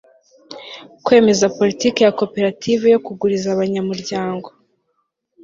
kwemeza politiki ya koperative yo kuguriza abanyamuryango